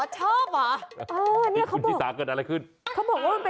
ตุ๊กแก